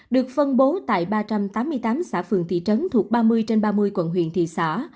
được phân bố tại ba trăm tám mươi tám xã phường thị trấn thuộc ba mươi trên ba mươi quận huyện thị xã